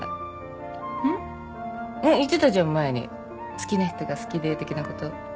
「好きな人が好きで」的なこと。